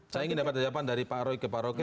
saya ingin dapat jawaban dari pak roy ke pak rocky